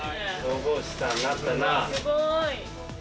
すごい。